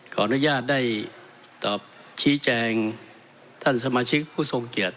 ขออนุญาตได้ตอบชี้แจงท่านสมาชิกผู้ทรงเกียจ